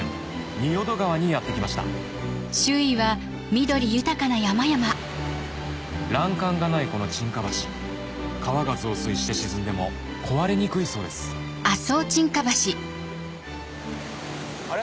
仁淀川にやって来ました欄干がないこの沈下橋川が増水して沈んでも壊れにくいそうですあれ？